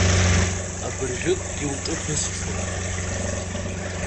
Абыржәыкгьы уҿы ԥысҽуам.